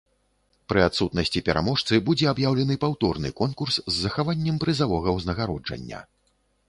Пры адсутнасці пераможцы будзе аб'яўлены паўторны конкурс з захаваннем прызавога ўзнагароджання.